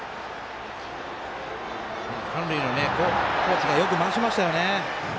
三塁のコーチがよく回しましたよね。